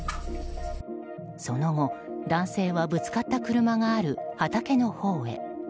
その後、男性はぶつかった車がある畑のほうへ。